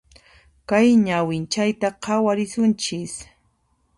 Kay ñawinchayta khawarisunchis.